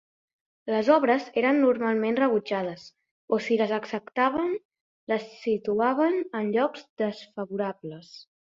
Les obres eren normalment rebutjades, o si les acceptaven, les situaven en llocs desfavorables.